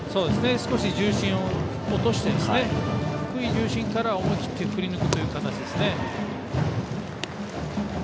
少し重心を落として低い重心から思い切って振りに行く形ですね。